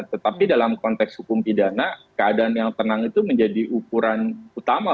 tetapi dalam konteks hukum pidana keadaan yang tenang itu menjadi ukuran utama